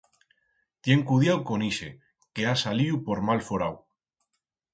Tien cudiau con ixe, que ha saliu por mal forau.